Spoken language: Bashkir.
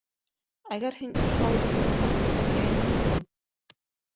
— Әгәр һин ошо ауылдыҡы булһаң, һеҙгә инде, улым.